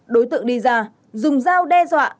đối tượng đi ra dùng dao đe dọa